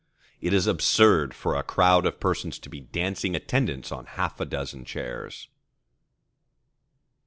It is absurd for a crowd of persons to be dancing attendance on half a dozen chairs.